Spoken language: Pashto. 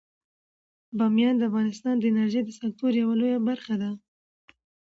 بامیان د افغانستان د انرژۍ د سکتور یوه لویه برخه ده.